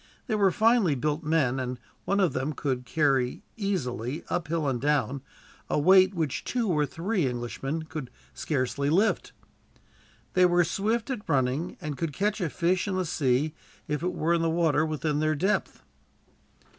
They were finely built men, and one of them could carry easily, uphill and down, a weight which two or three Englishmen could scarcely lift. They were swift at running, and could catch a fish in the sea, if it were in water within their depth.